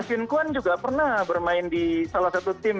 gevhen kwan juga pernah bermain di salah satu tim